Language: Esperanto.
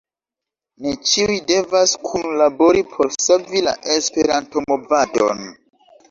Ni ĉiuj devas kunlabori por savi la Esperanto-movadon.